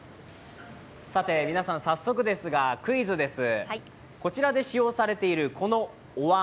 皆さん、早速ですがクイズです。